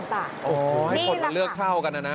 อ่อให้คนกันเลือกเช่ากันอ่ะนะ